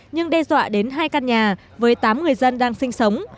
nhưng đe dọa đến hai căn nhà với tám người dân đang sinh sống